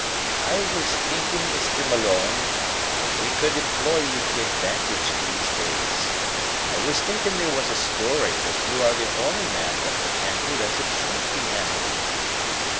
"I was thinking, Mr. Malone, that we could employ you to advantage these days. I was thinking there was a story that you are the only man that could handle as it should be handled."